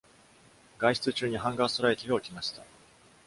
外出中にハンガーストライキが起きました。